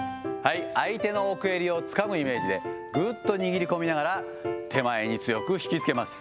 相手の奥襟をつかむイメージで、ぐっと握り込みながら、手前に強く引きつけます。